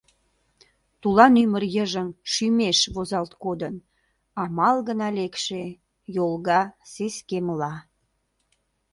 Тулан ӱмыр йыжыҥ шӱмеш возалт кодын, Амал гына лекше — йолга сескемла.